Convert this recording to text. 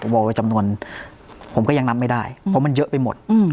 ประมาณจำนวนผมก็ยังนำไม่ได้เพราะมันเยอะไปหมดอืม